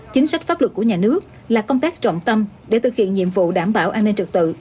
chính sách pháp luật của nhà nước là công tác trọng tâm để thực hiện nhiệm vụ đảm bảo an ninh trật tự